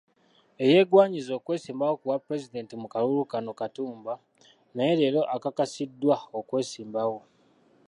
Eyeegwanyiza okwesimbawo ku bwa pulezidenti mu kalulu kano, Katumba, naye leero akakasiddwa okwesimbawo.